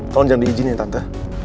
tolong jangan diizinin tante